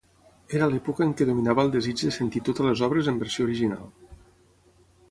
Era l'època en què dominava el desig de sentir totes les obres en versió original.